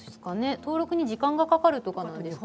登録に時間がかかるかなんですかね？